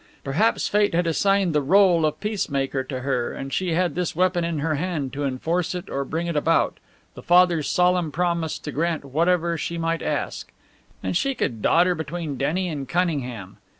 Perhaps fate had assigned the rôle of peacemaker to her, and she had this weapon in her hand to enforce it or bring it about the father's solemn promise to grant whatever she might ask. And she could dodder between Denny and Cunningham!